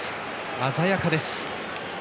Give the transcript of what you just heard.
鮮やかです。